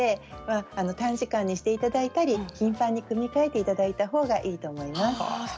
短時間にしていただいたり頻繁に組み替えていただいたほうがいいと思います。